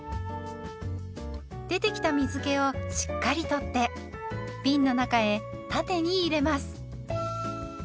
出てきた水けをしっかり取ってびんの中へ縦に入れます。